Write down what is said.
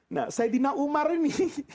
nah saidina umar ini